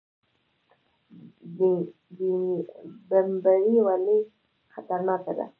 بمبړې ولې خطرناکه ده؟